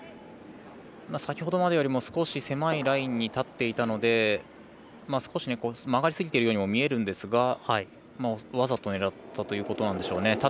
先ほどまでよりも少し狭いラインに立っていたので少し曲がりすぎているようにも見えるんですがわざと狙ったということなんでしょうね。